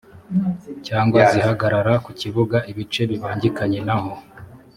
cyangwa zihagarara ku kibuga ibice bibangikanye naho